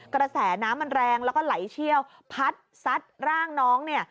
กระแสน้ำมันแรงแล้วก็ไหลเชี่ยวพัดซัดร่างน้องเนี่ย